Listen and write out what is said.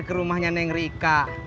ke rumahnya neng rika